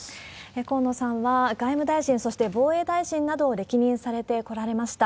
河野さんは、外務大臣、そして防衛大臣などを歴任されてこられました。